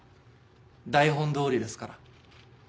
台本どおりですから。